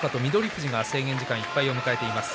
富士が制限時間いっぱいを迎えています。